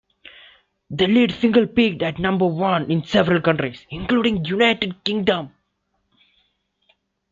The lead single peaked at number one in several countries, including the United Kingdom.